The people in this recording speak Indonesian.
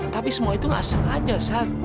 tapi semua itu gak sengaja sat